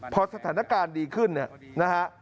พอสถานการณ์ดีขึ้นนะฮะ